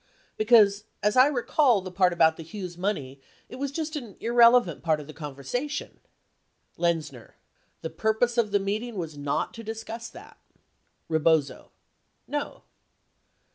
Because as I recall the part about the Hughes money — it was just an irrelevant part of the conversation. Lenzner. The purpose of the meeting was not to discuss that. Rebozo. No.